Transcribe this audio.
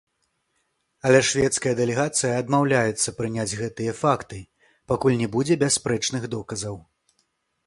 Але шведская дэлегацыя адмаўляецца прыняць гэтыя факты, пакуль не будзе бясспрэчных доказаў.